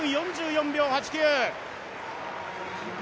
１分４４秒８９。